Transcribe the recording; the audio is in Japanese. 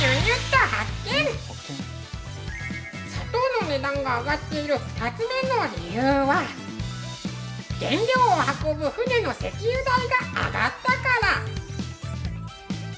砂糖の値段が上がっている２つ目の理由は原料を運ぶ船の石油代が上がったから。